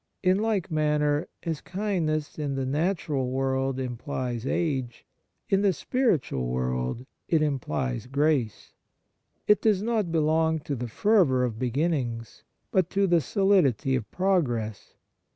In like manner, as kindness in the natural world implies age. 40 Kindness in the spiritual world it implies ijrace. It does not belong to the fervour of begin nings, but to the solidity of progress.